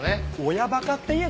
親バカって言え。